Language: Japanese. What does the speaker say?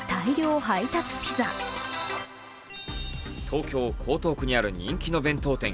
東京・江東区にある人気の弁当店